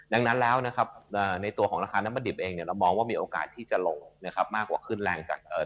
ดังนั้นแล้วในตัวของราคาน้ำมะดิบเองเราก็มีโอกาสที่จะลงมากกว่าขึ้นแรงต่อจากนี้ไป